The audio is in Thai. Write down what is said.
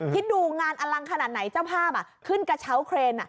คิดดูงานอลังขนาดไหนเจ้าภาพขึ้นกระเช้าเครน